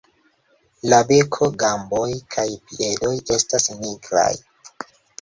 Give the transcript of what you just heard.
La beko, gamboj kaj piedoj estas nigraj.